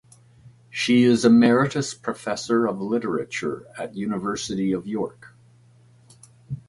She is Emeritus Professor of Literature at the University of York.